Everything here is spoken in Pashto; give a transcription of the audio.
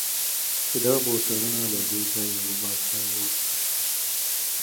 چې دا بوتلونه له دې ځایه وباسه، اوس څه شول؟